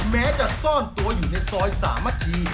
แม้จะซ่อนตัวอยู่ในซอยสามัคคี